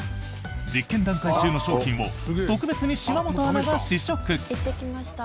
実験段階中の商品を特別に島本アナが試食！